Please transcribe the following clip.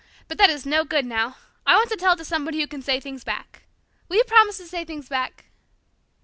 But that is no good now. I want to tell it to somebody who can say things back. Will you promise to say things back?"